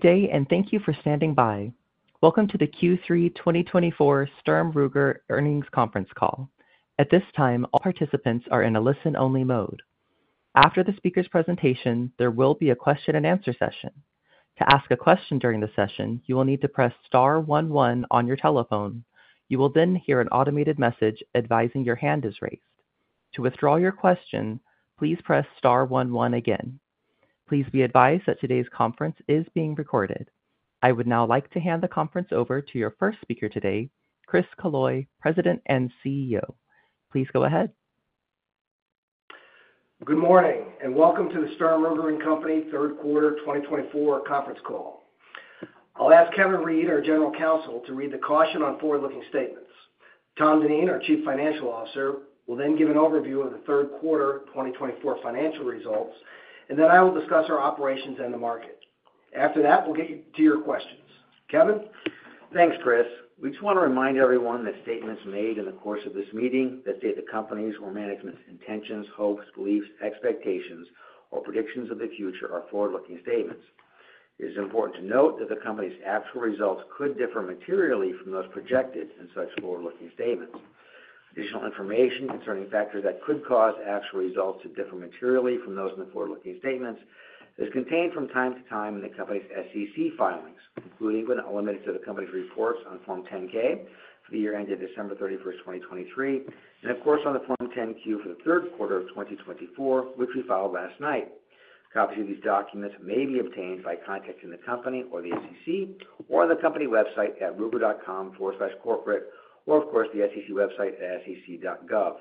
Good day, and thank you for standing by. Welcome to the Q3 2024 Sturm, Ruger & Company earnings conference call. At this time, all participants are in a listen-only mode. After the speaker's presentation, there will be a question-and-answer session. To ask a question during the session, you will need to press star 11 on your telephone. You will then hear an automated message advising your hand is raised. To withdraw your question, please press star 11 again. Please be advised that today's conference is being recorded. I would now like to hand the conference over to your first speaker today, Chris Killoy, President and CEO. Please go ahead. Good morning, and welcome to the Sturm, Ruger & Company third quarter 2024 conference call. I'll ask Kevin Reid, our General Counsel, to read the caution on forward-looking statements. Tom Dineen, our Chief Financial Officer, will then give an overview of the third quarter 2024 financial results, and then I will discuss our operations and the market. After that, we'll get to your questions. Kevin? Thanks, Chris. We just want to remind everyone that statements made in the course of this meeting that state the company's or management's intentions, hopes, beliefs, expectations, or predictions of the future are forward-looking statements. It is important to note that the company's actual results could differ materially from those projected in such forward-looking statements. Additional information concerning factors that could cause actual results to differ materially from those in the forward-looking statements is contained from time to time in the company's SEC filings, including, but not limited to, the company's reports on Form 10-K for the year ended December 31st, 2023, and of course on the Form 10-Q for the third quarter of 2024, which we filed last night. Copies of these documents may be obtained by contacting the company or the SEC or the company website at ruger.com/corporate or, of course, the SEC website at sec.gov.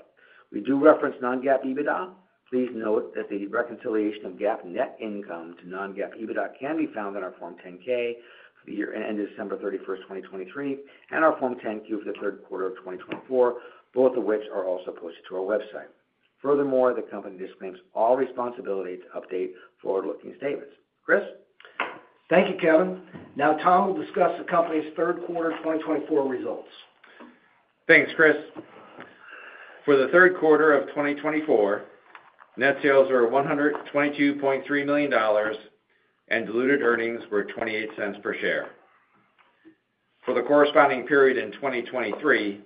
We do reference non-GAAP EBITDA. Please note that the reconciliation of GAAP net income to non-GAAP EBITDA can be found in our Form 10-K for the year ended December 31st, 2023, and our Form 10-Q for the third quarter of 2024, both of which are also posted to our website. Furthermore, the company disclaims all responsibility to update forward-looking statements. Chris? Thank you, Kevin. Now, Tom, we'll discuss the company's third quarter 2024 results. Thanks, Chris. For the third quarter of 2024, net sales were $122.3 million, and diluted earnings were $0.28 per share. For the corresponding period in 2023,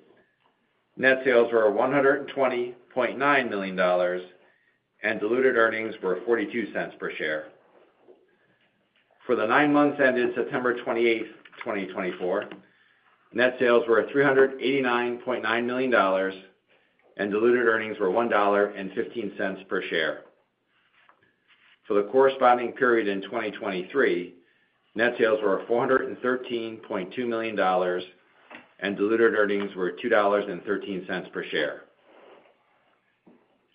net sales were $120.9 million, and diluted earnings were $0.42 per share. For the nine months ended September 28th, 2024, net sales were $389.9 million, and diluted earnings were $1.15 per share. For the corresponding period in 2023, net sales were $413.2 million, and diluted earnings were $2.13 per share.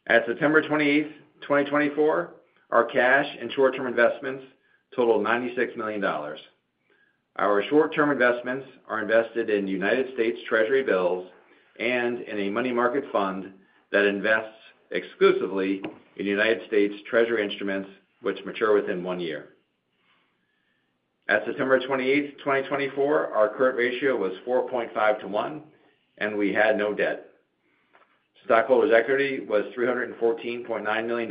At September 28th, 2024, our cash and short-term investments totaled $96 million. Our short-term investments are invested in United States Treasury bills and in a money market fund that invests exclusively in United States Treasury instruments, which mature within one year. At September 28th, 2024, our current ratio was 4.5 to 1, and we had no debt. Stockholders' equity was $314.9 million,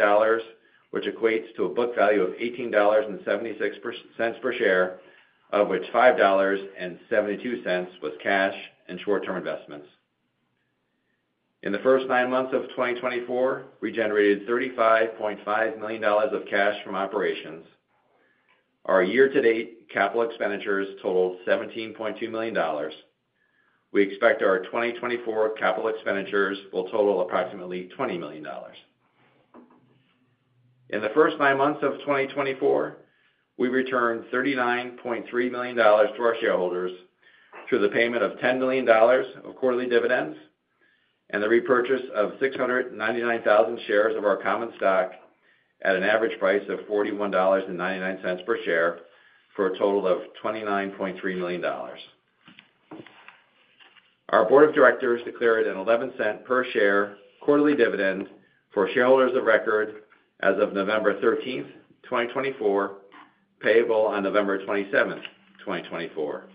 which equates to a book value of $18.76 per share, of which $5.72 was cash and short-term investments. In the first nine months of 2024, we generated $35.5 million of cash from operations. Our year-to-date capital expenditures totaled $17.2 million. We expect our 2024 capital expenditures will total approximately $20 million. In the first nine months of 2024, we returned $39.3 million to our shareholders through the payment of $10 million of quarterly dividends and the repurchase of 699,000 shares of our common stock at an average price of $41.99 per share for a total of $29.3 million. Our board of directors declared a $0.11 per share quarterly dividend for shareholders of record as of November 13th, 2024, payable on November 27th, 2024.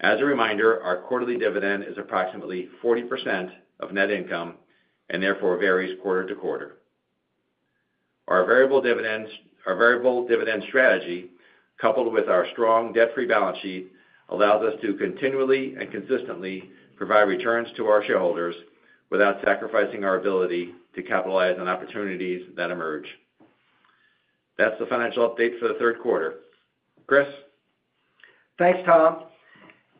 As a reminder, our quarterly dividend is approximately 40% of net income and therefore varies quarter to quarter. Our variable dividend strategy, coupled with our strong debt-free balance sheet, allows us to continually and consistently provide returns to our shareholders without sacrificing our ability to capitalize on opportunities that emerge. That's the financial update for the third quarter. Chris? Thanks, Tom.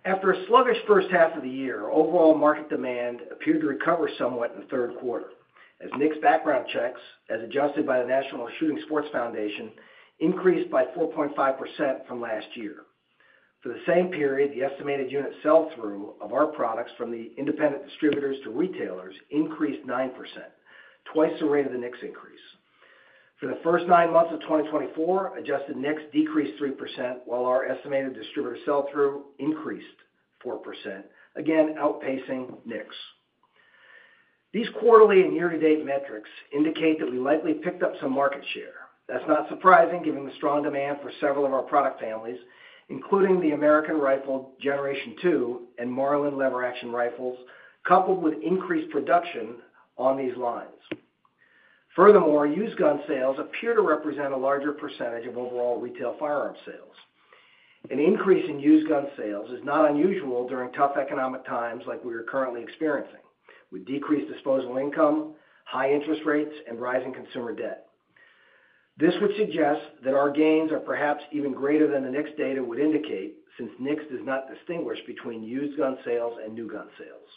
After a sluggish first half of the year, overall market demand appeared to recover somewhat in the third quarter, as NICS background checks, as adjusted by the National Shooting Sports Foundation, increased by 4.5% from last year. For the same period, the estimated unit sell-through of our products from the independent distributors to retailers increased 9%, twice the rate of the NICS increase. For the first nine months of 2024, adjusted NICS decreased 3%, while our estimated distributor sell-through increased 4%, again outpacing NICS. These quarterly and year-to-date metrics indicate that we likely picked up some market share. That's not surprising, given the strong demand for several of our product families, including the American Rifle Generation II and Marlin lever-action rifles, coupled with increased production on these lines. Furthermore, used gun sales appear to represent a larger percentage of overall retail firearm sales. An increase in used gun sales is not unusual during tough economic times like we are currently experiencing, with decreased disposable income, high interest rates, and rising consumer debt. This would suggest that our gains are perhaps even greater than the NICS data would indicate, since NICS does not distinguish between used gun sales and new gun sales.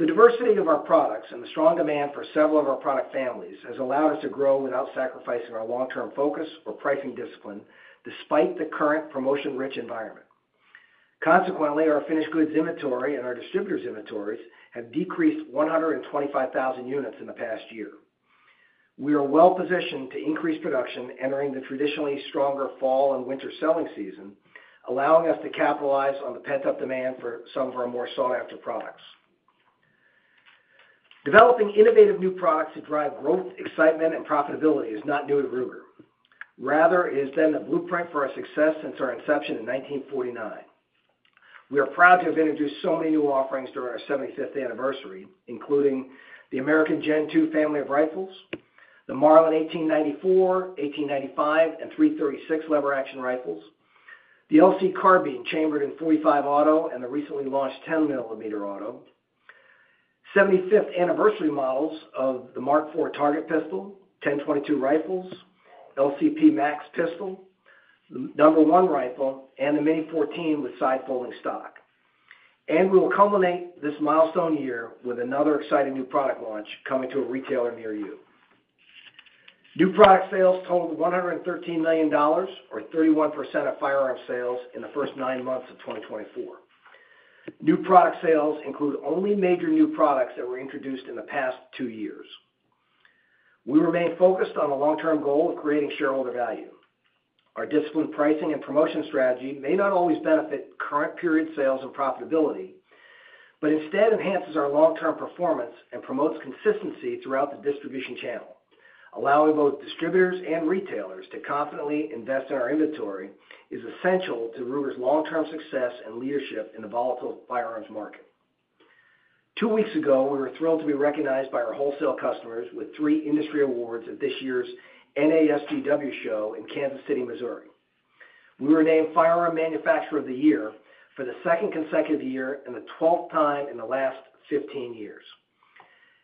The diversity of our products and the strong demand for several of our product families has allowed us to grow without sacrificing our long-term focus or pricing discipline, despite the current promotion-rich environment. Consequently, our finished goods inventory and our distributors' inventories have decreased 125,000 units in the past year. We are well-positioned to increase production entering the traditionally stronger fall and winter selling season, allowing us to capitalize on the pent-up demand for some of our more sought-after products. Developing innovative new products to drive growth, excitement, and profitability is not new to Ruger. Rather, it has been the blueprint for our success since our inception in 1949. We are proud to have introduced so many new offerings during our 75th anniversary, including the American Gen II family of rifles, the Marlin 1894, 1895, and 336 lever-action rifles, the LC Carbine chambered in .45 Auto and the recently launched 10 millimeter Auto, 75th anniversary models of the Mark IV Target pistol, 10/22 rifles, LCP MAX pistol, the No. 1 rifle, and the Mini-14 with side-folding stock. And we will culminate this milestone year with another exciting new product launch coming to a retailer near you. New product sales totaled $113 million, or 31% of firearm sales in the first nine months of 2024. New product sales include only major new products that were introduced in the past two years. We remain focused on a long-term goal of creating shareholder value. Our disciplined pricing and promotion strategy may not always benefit current period sales and profitability, but instead enhances our long-term performance and promotes consistency throughout the distribution channel. Allowing both distributors and retailers to confidently invest in our inventory is essential to Ruger's long-term success and leadership in the volatile firearms market. Two weeks ago, we were thrilled to be recognized by our wholesale customers with three industry awards at this year's NASGW show in Kansas City, Missouri. We were named Firearm Manufacturer of the Year for the second consecutive year and the 12th time in the last 15 years.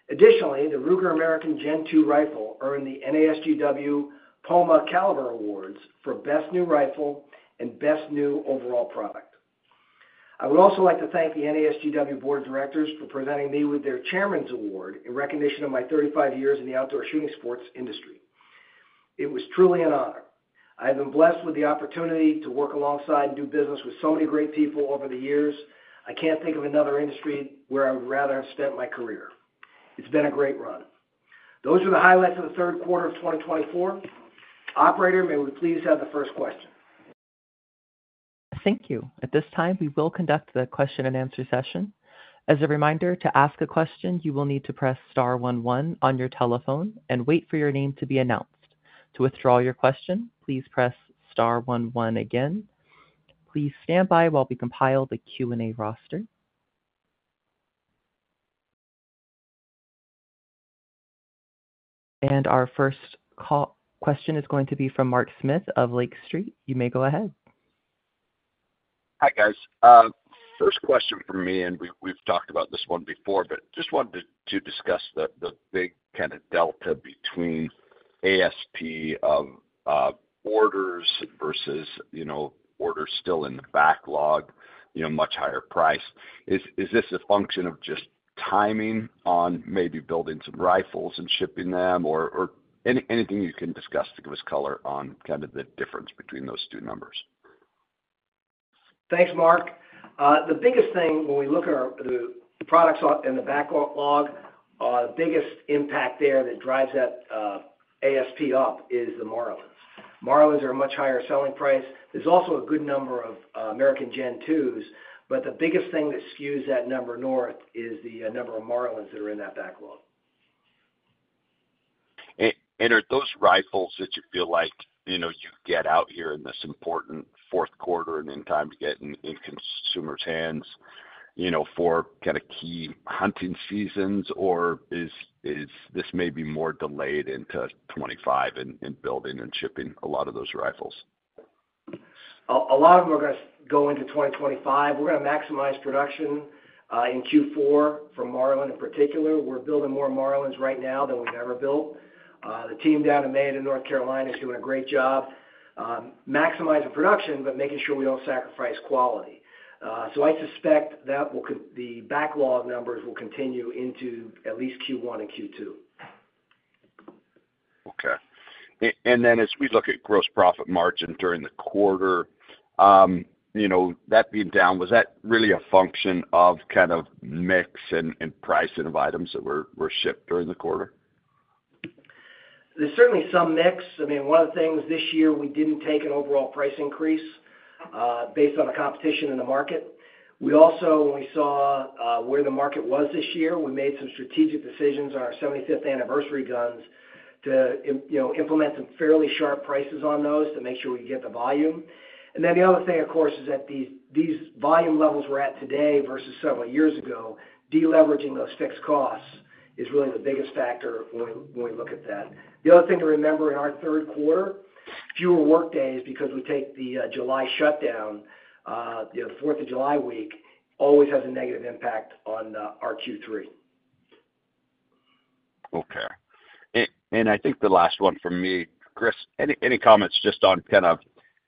Additionally, the Ruger American Gen II Rifle earned the NASGW POMA Caliber Awards for Best New Rifle and Best New Overall Product. I would also like to thank the NASGW board of directors for presenting me with their Chairman's Award in recognition of my 35 years in the outdoor shooting sports industry. It was truly an honor. I have been blessed with the opportunity to work alongside and do business with so many great people over the years. I can't think of another industry where I would rather have spent my career. It's been a great run. Those are the highlights of the third quarter of 2024. Operator, may we please have the first question? Thank you. At this time, we will conduct the question-and-answer session. As a reminder, to ask a question, you will need to press star 11 on your telephone and wait for your name to be announced. To withdraw your question, please press star 11 again. Please stand by while we compile the Q&A roster, and our first question is going to be from Mark Smith of Lake Street. You may go ahead. Hi, guys. First question for me, and we've talked about this one before, but just wanted to discuss the big kind of delta between ASP of orders versus orders still in the backlog, much higher price. Is this a function of just timing on maybe building some rifles and shipping them, or anything you can discuss to give us color on kind of the difference between those two numbers? Thanks, Mark. The biggest thing when we look at the products in the backlog, the biggest impact there that drives that ASP up is the Marlins. Marlins are a much higher selling price. There's also a good number of American Gen IIs, but the biggest thing that skews that number north is the number of Marlins that are in that backlog. Are those rifles that you feel like you get out here in this important fourth quarter and in time to get in consumers' hands for kind of key hunting seasons, or is this maybe more delayed into 2025 in building and shipping a lot of those rifles? A lot of them are going to go into 2025. We're going to maximize production in Q4 for Marlin in particular. We're building more Marlins right now than we've ever built. The team down in Mayodan, North Carolina is doing a great job maximizing production, but making sure we don't sacrifice quality, so I suspect that the backlog numbers will continue into at least Q1 and Q2. Okay. And then as we look at gross profit margin during the quarter, that being down, was that really a function of kind of mix and pricing of items that were shipped during the quarter? There's certainly some mix. I mean, one of the things this year, we didn't take an overall price increase based on the competition in the market. We also, when we saw where the market was this year, we made some strategic decisions on our 75th anniversary guns to implement some fairly sharp prices on those to make sure we get the volume. And then the other thing, of course, is that these volume levels we're at today versus several years ago, deleveraging those fixed costs is really the biggest factor when we look at that. The other thing to remember in our third quarter, fewer workdays because we take the July shutdown, the 4th of July week, always has a negative impact on our Q3. Okay. And I think the last one for me, Chris, any comments just on kind of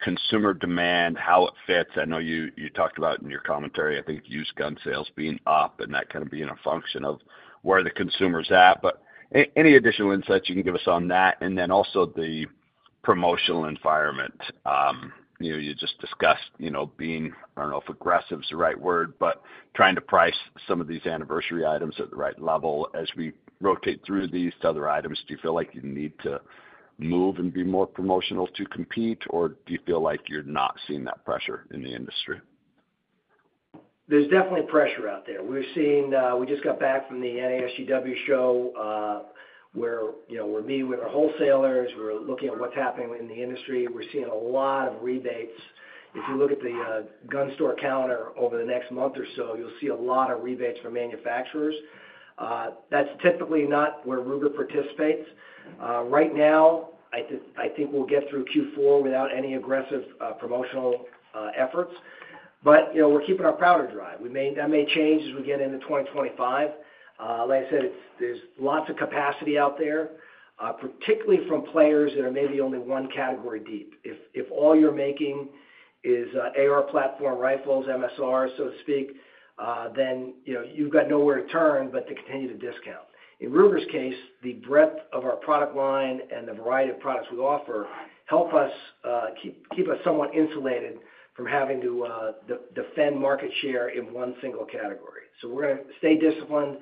consumer demand, how it fits? I know you talked about in your commentary, I think used gun sales being up and that kind of being a function of where the consumer's at. But any additional insights you can give us on that? And then also the promotional environment. You just discussed being, I don't know if aggressive is the right word, but trying to price some of these anniversary items at the right level as we rotate through these to other items. Do you feel like you need to move and be more promotional to compete, or do you feel like you're not seeing that pressure in the industry? There's definitely pressure out there. We just got back from the NASGW show where we're meeting with our wholesalers. We're looking at what's happening in the industry. We're seeing a lot of rebates. If you look at the gun store counter over the next month or so, you'll see a lot of rebates for manufacturers. That's typically not where Ruger participates. Right now, I think we'll get through Q4 without any aggressive promotional efforts, but we're keeping our powder dry. That may change as we get into 2025. Like I said, there's lots of capacity out there, particularly from players that are maybe only one category deep. If all you're making is AR platform rifles, MSRs, so to speak, then you've got nowhere to turn but to continue to discount. In Ruger's case, the breadth of our product line and the variety of products we offer help us keep somewhat insulated from having to defend market share in one single category, so we're going to stay disciplined,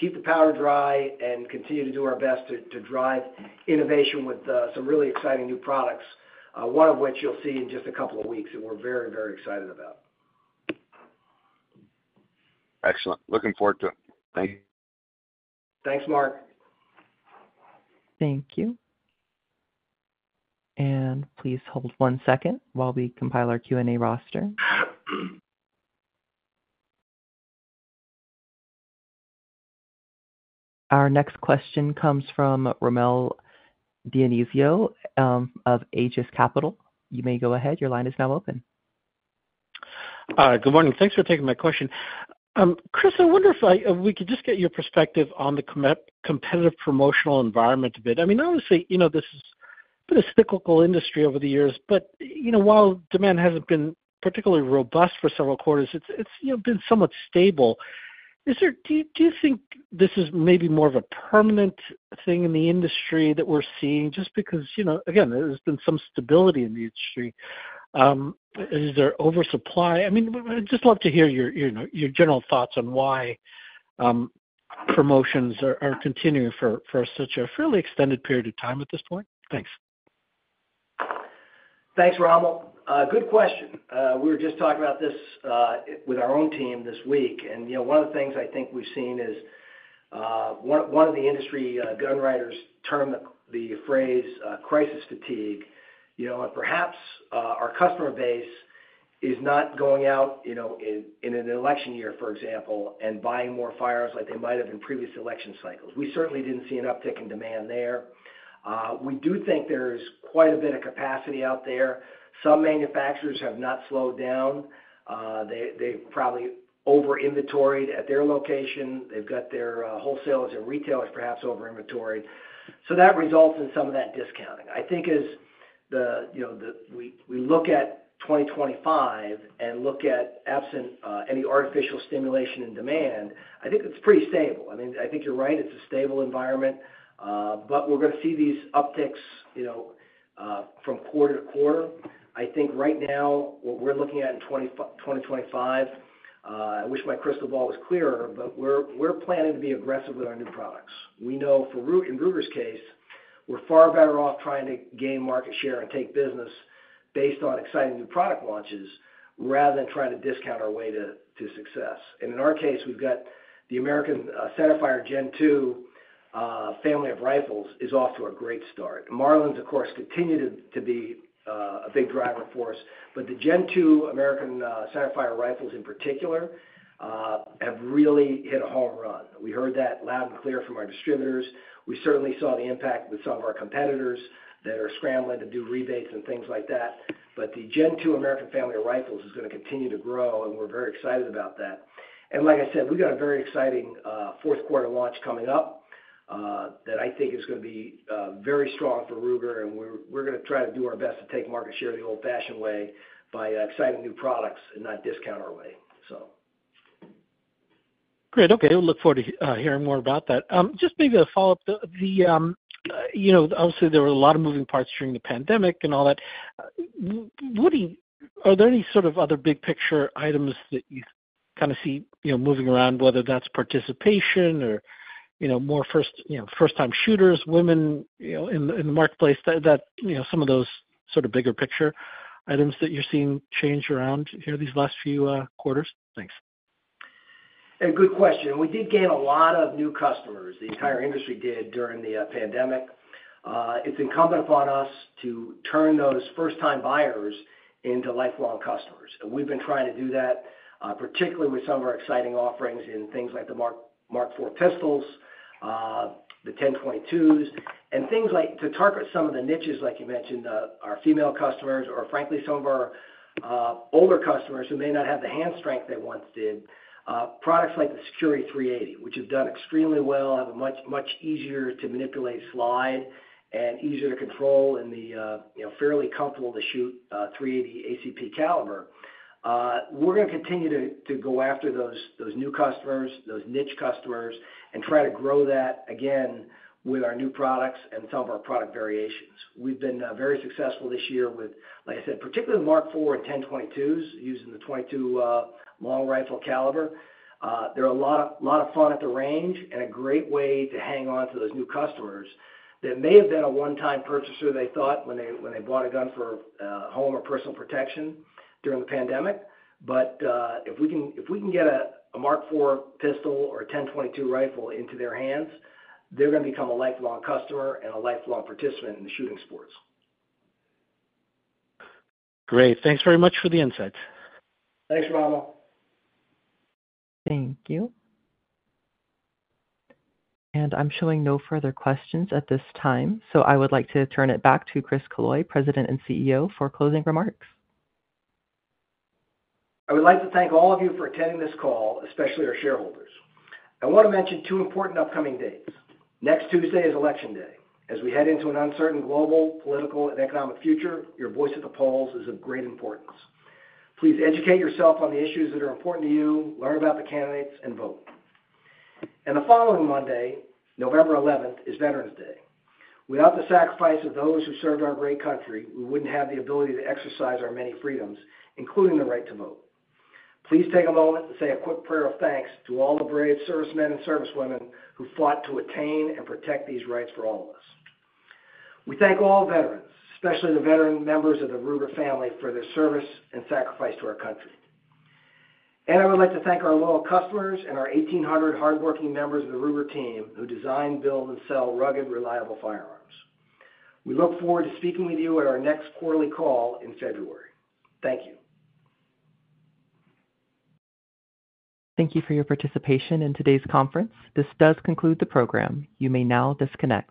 keep the powder dry, and continue to do our best to drive innovation with some really exciting new products, one of which you'll see in just a couple of weeks that we're very, very excited about. Excellent. Looking forward to it. Thank you. Thanks, Mark. Thank you. And please hold one second while we compile our Q&A roster. Our next question comes from Rommel Dionisio of Aegis Capital. You may go ahead. Your line is now open. Good morning. Thanks for taking my question. Chris, I wonder if we could just get your perspective on the competitive promotional environment a bit. I mean, obviously, this has been a cyclical industry over the years, but while demand hasn't been particularly robust for several quarters, it's been somewhat stable. Do you think this is maybe more of a permanent thing in the industry that we're seeing just because, again, there's been some stability in the industry? Is there oversupply? I mean, I'd just love to hear your general thoughts on why promotions are continuing for such a fairly extended period of time at this point. Thanks. Thanks, Rommel. Good question. We were just talking about this with our own team this week, and one of the things I think we've seen is one of the industry gun writers termed the phrase crisis fatigue. Perhaps our customer base is not going out in an election year, for example, and buying more firearms like they might have in previous election cycles. We certainly didn't see an uptick in demand there. We do think there's quite a bit of capacity out there. Some manufacturers have not slowed down. They've probably over-inventoried at their location. They've got their wholesalers and retailers perhaps over-inventoried. So that results in some of that discounting. I think as we look at 2025 and look at absent any artificial stimulation in demand, I think it's pretty stable. I mean, I think you're right. It's a stable environment, but we're going to see these upticks from quarter to quarter. I think right now, what we're looking at in 2025, I wish my crystal ball was clearer, but we're planning to be aggressive with our new products. We know for Ruger's case, we're far better off trying to gain market share and take business based on exciting new product launches rather than trying to discount our way to success. And in our case, we've got the American Centerfire Gen II family of rifles is off to a great start. Marlins, of course, continue to be a big driver for us, but the Gen II American Centerfire rifles in particular have really hit a home run. We heard that loud and clear from our distributors. We certainly saw the impact with some of our competitors that are scrambling to do rebates and things like that. But the Gen II American family of rifles is going to continue to grow, and we're very excited about that. And like I said, we've got a very exciting fourth quarter launch coming up that I think is going to be very strong for Ruger, and we're going to try to do our best to take market share the old-fashioned way by exciting new products and not discount our way, so. Great. Okay. We'll look forward to hearing more about that. Just maybe a follow-up. Obviously, there were a lot of moving parts during the pandemic and all that. Are there any sort of other big picture items that you kind of see moving around, whether that's participation or more first-time shooters, women in the marketplace, some of those sort of bigger picture items that you're seeing change around here these last few quarters? Thanks. A good question. We did gain a lot of new customers. The entire industry did during the pandemic. It's incumbent upon us to turn those first-time buyers into lifelong customers, and we've been trying to do that, particularly with some of our exciting offerings in things like the Mark IV pistols, the 10/22s, and things like to target some of the niches, like you mentioned, our female customers or, frankly, some of our older customers who may not have the hand strength they once did, products like the Security-380, which have done extremely well, have a much easier-to-manipulate slide and easier to control and the fairly comfortable-to-shoot .380 ACP caliber. We're going to continue to go after those new customers, those niche customers, and try to grow that again with our new products and some of our product variations. We've been very successful this year with, like I said, particularly the Mark IV and 10/22s using the .22 Long Rifle caliber. They're a lot of fun at the range and a great way to hang on to those new customers that may have been a one-time purchase or they thought when they bought a gun for home or personal protection during the pandemic. But if we can get a Mark IV pistol or a 10/22 rifle into their hands, they're going to become a lifelong customer and a lifelong participant in the shooting sports. Great. Thanks very much for the insights. Thanks, Romel. Thank you. And I'm showing no further questions at this time, so I would like to turn it back to Chris Killoy, President and CEO, for closing remarks. I would like to thank all of you for attending this call, especially our shareholders. I want to mention two important upcoming dates. Next Tuesday is Election Day. As we head into an uncertain global political and economic future, your voice at the polls is of great importance. Please educate yourself on the issues that are important to you, learn about the candidates, and vote. And the following Monday, November 11th, is Veterans Day. Without the sacrifice of those who served our great country, we wouldn't have the ability to exercise our many freedoms, including the right to vote. Please take a moment and say a quick prayer of thanks to all the brave servicemen and servicewomen who fought to attain and protect these rights for all of us. We thank all veterans, especially the veteran members of the Ruger family, for their service and sacrifice to our country. I would like to thank our loyal customers and our 1,800 hardworking members of the Ruger team who design, build, and sell rugged, reliable firearms. We look forward to speaking with you at our next quarterly call in February. Thank you. Thank you for your participation in today's conference. This does conclude the program. You may now disconnect.